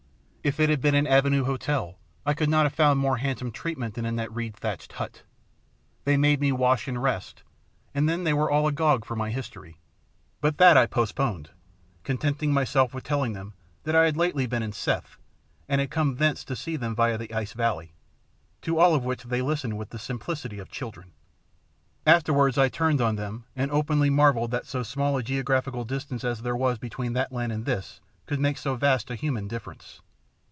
If it had been an Avenue hotel I could not have found more handsome treatment than in that reed thatched hut. They made me wash and rest, and then were all agog for my history; but that I postponed, contenting myself with telling them I had been lately in Seth, and had come thence to see them via the ice valley to all of which they listened with the simplicity of children. Afterwards I turned on them, and openly marvelled that so small a geographical distance as there was between that land and this could make so vast a human difference.